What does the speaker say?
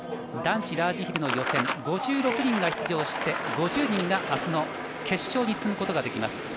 男子ラージヒルの予選、５６人が出場して、５０人が明日の決勝に進むことができます。